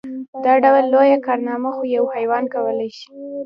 دا ډول لويه کارنامه خو يو حيوان کولی شي.